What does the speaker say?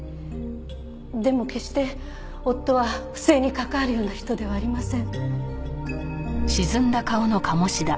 でも決して夫は不正に関わるような人ではありません。